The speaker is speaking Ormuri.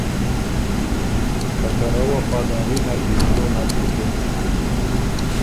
که ته رۀ وفاداري نر دی دیو نک بُکِن۔